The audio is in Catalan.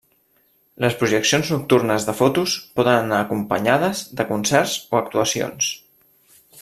Les projeccions nocturnes de fotos poden anar acompanyades de concerts o actuacions.